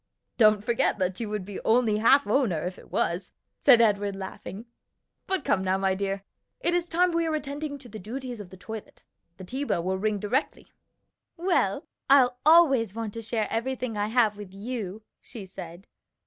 "Don't forget that you would be only half owner if it was," said Edward laughing. "But come now, my dear, it is time we were attending to the duties of the toilet. The tea bell will ring directly." "Well, I'll always want to share everything I have with you," she said.